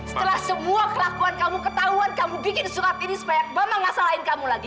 setelah semua kelakuan kamu ketahuan kamu bikin surat ini supaya bapak ngasalahin kamu lagi